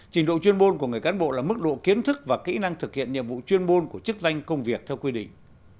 trình độ chuyên môn của người cán bộ là mức độ kiến thức và kỹ năng thực hiện nhiệm vụ chuyên môn của chức danh công việc theo quy định